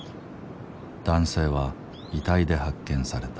男性は遺体で発見された。